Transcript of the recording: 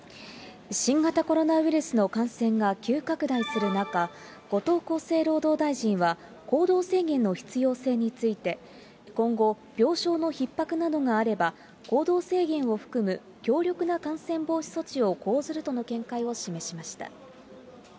新型コロナウイルスの感染が急拡大する中、後藤厚生労働大臣は、行動制限の必要性について、今後、病床のひっ迫などがあれば、行動制限を含む強力な感染防止措置を講ずるとの見解を示しました。